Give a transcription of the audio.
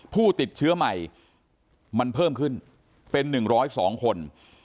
ผู้ติดเชื้อใหม่มันเพิ่มขึ้นเป็น๑๐๒คน